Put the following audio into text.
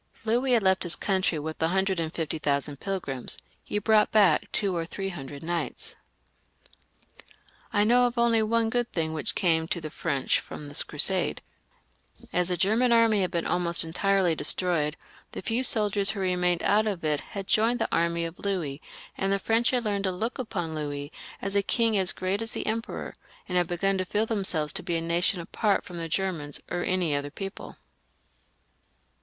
Louis had left his country with a hundred and fifty thousand pilgrims ; he brought back , two or three hundred knights I know of only one good thing which came to the French from this Crusade. As the German army had been ►•^.*j^ 88 LOUIS VIL (LE yEUNE). [CH. almost entirely destroyed, the few soldiers who remained out of it had joined the army of Louis, and the French had learned to look upon Louis as a King as great as the Emperor, and had begun to feel themselves to be a nation apart from the Germans or any other people.